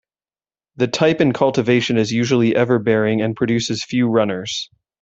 The type in cultivation is usually everbearing and produces few runners.